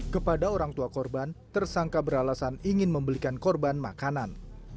kepada orang tua korban tersangka beralasan ingin membelikan korban makanan